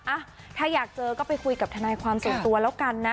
อ่ะถ้าอยากเจอก็ไปคุยกับทนายความส่วนตัวแล้วกันนะ